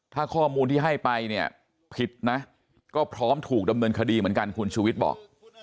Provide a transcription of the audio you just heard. ถ้าข้อมูลที่ให้ไปเนี่ยผิดนะก็พร้อมถูกดำเนินคดีเหมือนกันคุณชูวิทย์บอก